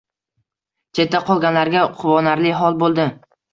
Chetda qolganlarga quvonarli hol bo‘ldi